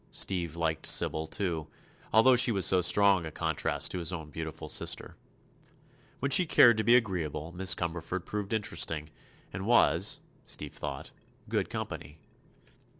Steve liked Sybil, too, although she was so strong a contrast to his own beautiful sister. When she cared to be agreeable Miss Cumberford proved interesting and was, Steve thought, "good company."